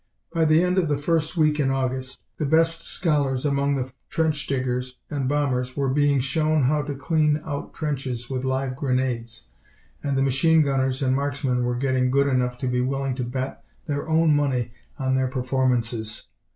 By the end of the first week in August, the best scholars among the trench diggers and bombers were being shown how to clean out trenches with live grenades, and the machine gunners and marksmen were getting good enough to be willing to bet their own money on their performances.